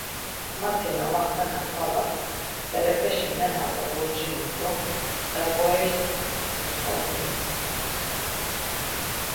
Mati na maxenen xvala; berepeşi nenas oucinu do hem ğureris otzǩomilurt̆u.